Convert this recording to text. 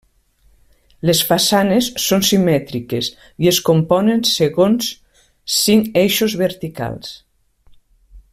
Les façanes són simètriques i es componen segons cinc eixos verticals.